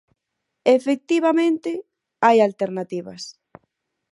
Efectivamente, hai alternativas.